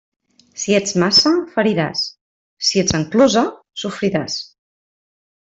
Si ets maça, feriràs; si ets enclusa, sofriràs.